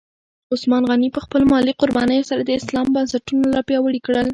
عثمان غني په خپلو مالي قربانیو سره د اسلام بنسټونه لا پیاوړي کړل.